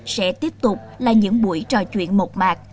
sẽ tiếp tục là những buổi trò chuyện một mạc